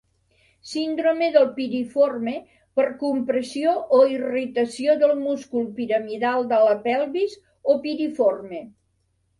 Síndrome del piriforme, per compressió o irritació del múscul piramidal de la pelvis o piriforme.